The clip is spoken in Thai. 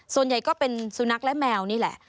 ส่วนใหญ่ก็เป็นสุนัขและแมวนี่แหละ